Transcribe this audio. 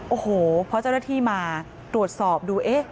โอ้โหพอเจ้าหน้าที่มาตรวจสอบดูเอ๊ะ